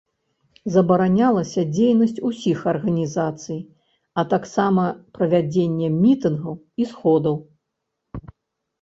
Забаранялася дзейнасць усіх арганізацый, а таксама правядзенне мітынгаў і сходаў.